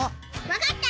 わかった！